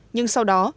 nhưng sau đó